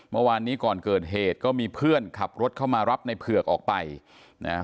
เมื่อวานนี้ก่อนเกิดเหตุก็มีเพื่อนขับรถเข้ามารับในเผือกออกไปนะฮะ